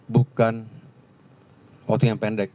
bukan waktu yang pendek